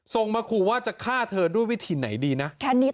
ส่งมาขู่ว่าจะฆ่าเธอด้วยวิธีไหนดีนะแค่นี้